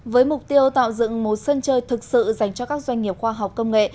với mục tiêu tạo dựng một sân chơi thực sự dành cho các doanh nghiệp khoa học công nghệ